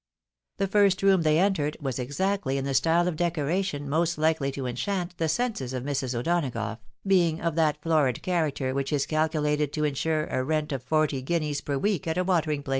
The first room they entered was exactly in the style of decoration most likely to enchant the senses of Mrs. O'Donagough, being of that florid character which is calculated to insure a rent of forty guineas per week at a waterlog place.